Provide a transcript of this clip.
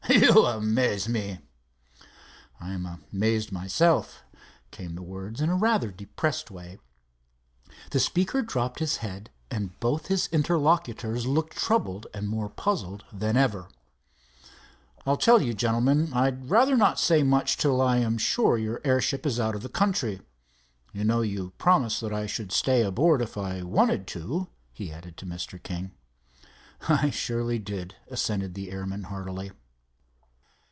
"You amaze me!" "I am amazed at myself," came the words, in rather a depressed way. The speaker dropped his head, and both of his interlocutors looked troubled and more puzzled than ever. "I'll tell you, gentlemen, I'd rather not say much till I am sure your airship is out of the country. You know you promised I should stay aboard if I wanted to," he added to Mr. King. "I surely did," assented the airman, heartily.